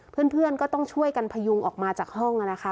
เพื่อนก็ต้องช่วยกันพยุงออกมาจากห้องนะคะ